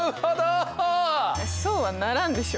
そうはならんでしょ。